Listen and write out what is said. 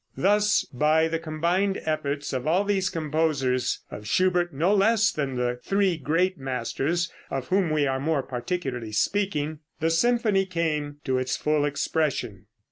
Thus by the combined efforts of all these composers, of Schubert no less than of the three great masters of whom we are more particularly speaking, the symphony came to its full expression.